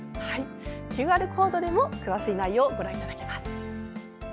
ＱＲコードでも詳しい内容をご覧いただけます。